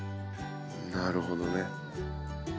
なるほどね。